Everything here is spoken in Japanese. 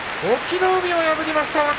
隠岐の海を破りました